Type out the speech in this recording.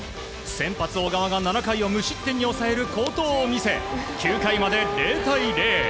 先発、小川が７回を無失点に抑える好投を見せ９回まで０対０。